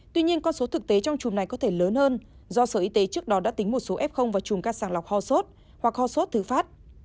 tuy nhiên con số thực tế trong chùm này có thể lớn hơn do sở y tế trước đó đã tính một số f và chùm các sàng lọc ho sốt hoặc ho sốt thứ phát